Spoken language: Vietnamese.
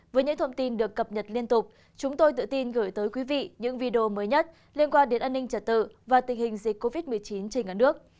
với những thông tin được cập nhật liên tục chúng tôi tự tin gửi tới quý vị những video mới nhất liên quan đến an ninh trật tự và tình hình dịch covid một mươi chín trên cả nước